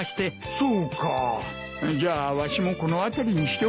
そうかじゃあわしもこのあたりにしておくか。